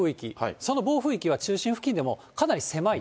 その暴風域が中心付近でもかなり狭い。